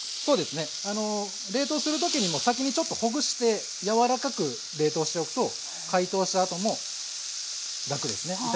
そうですね冷凍する時にも先にちょっとほぐして柔らかく冷凍しておくと解凍したあとも楽ですね